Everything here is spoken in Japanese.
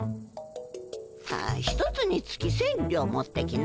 ああ一つにつき千両持ってきな。